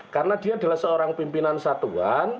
karena dia adalah seorang pimpinan satuan